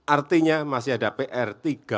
artinya masih ada pr